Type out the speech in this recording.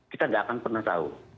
kita tidak akan pernah tahu